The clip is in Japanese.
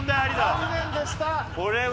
残念でした。